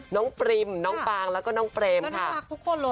น้องปริมน้องปางแล้วก็น้องเปรมค่ะแล้วน่ารักทุกคนเลย